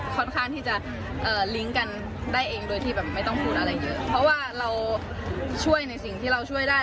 เพราะว่าเราช่วยในสิ่งที่เราช่วยได้